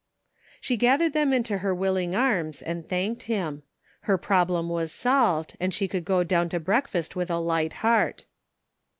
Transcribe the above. She gathered them into her willing arms and thanked him. Her problem was solved, and she could go down to breakfast with a light heart.